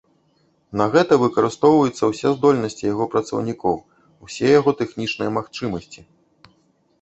На гэта выкарыстоўваюцца ўсе здольнасці яго працаўнікоў, усе яго тэхнічныя магчымасці.